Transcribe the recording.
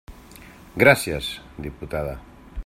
Gràcies, diputada.